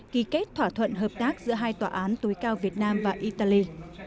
ký kết thỏa thuận hợp tác giữa hai tòa án tối cao việt nam và italy